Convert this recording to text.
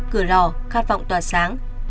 cửa lò khát vọng tỏa sáng